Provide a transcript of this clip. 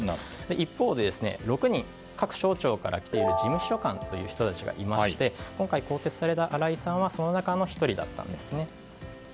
一方で６人、各省庁から来ている事務秘書官という人たちがいて今回、更迭された荒井さんはその中の１人だったんです。